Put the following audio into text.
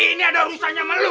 ini ada urusannya sama lo